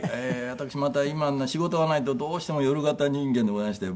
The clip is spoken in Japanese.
私また今仕事がないとどうしても夜型人間でございまして。